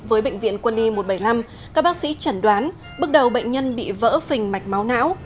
với bệnh viện quân y một trăm bảy mươi năm các bác sĩ chẩn đoán bước đầu bệnh nhân bị vỡ phình mạch máu não